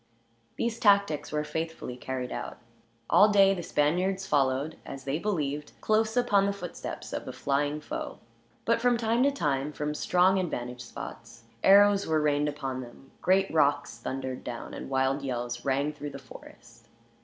These tactics were faithfully carried out. All day the Spaniards followed, as they believed, close upon the footsteps of the flying foe; but from time to time, from strong advantage spots, arrows were rained upon them, great rocks thundered down, and wild yells rang through the forest.